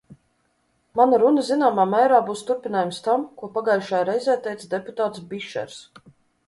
Mana runa zināmā mērā būs turpinājums tam, ko pagājušajā reizē teica deputāts Bišers.